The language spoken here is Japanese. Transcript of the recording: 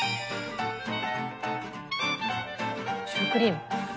シュークリーム？